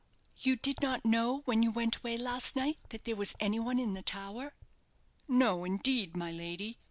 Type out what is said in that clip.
"You did not know, when you went away last night, that there was any one in the tower?" "No, indeed, my lady.